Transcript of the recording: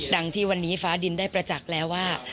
ดังที่วันนี้ฟ้าดินได้ประจักษ์แล้วว่า